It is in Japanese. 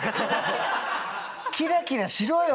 キラキラしろよ。